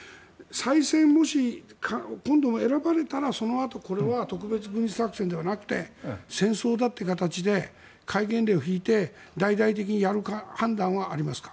再選もし、今度選ばれたらそのあとこれは特別軍事作戦ではなくて戦争だという形で戒厳令を引いて大々的にやるか判断はありますか。